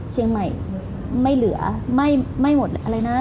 เชียงใหม่ไม่เหลือไม่หมดอะไรนะ